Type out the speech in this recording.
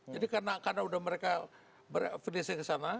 jadi karena mereka berfinansi kesana